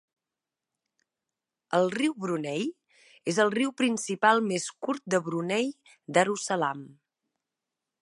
El riu Brunei és el riu principal més curt de Brunei Darussalam.